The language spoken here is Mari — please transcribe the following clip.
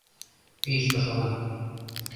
пиж пашалан...